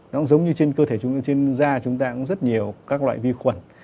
nó giống như trên cơ thể chúng ta trên da chúng ta có rất nhiều các loại vi khuẩn